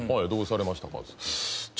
「どうされましたか？」